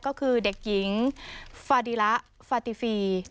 ก็คือเด็กหญิงฟาดีละฟาติฟี